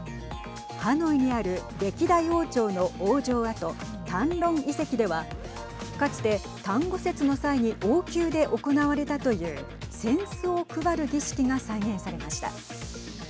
ハノイにある歴代王朝の王城跡タンロン遺跡ではかつて端午節の際に王宮で行われたという扇子を配る儀式が再現されました。